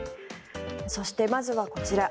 そして、まずはこちら。